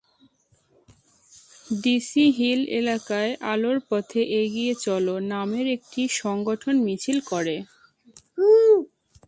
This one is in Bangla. ডিসি হিল এলাকায় আলোর পথে এগিয়ে চলো নামের একটি সংগঠন মিছিল করে।